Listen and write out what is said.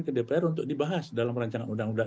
ke dpr untuk dibahas dalam rancangan undang undang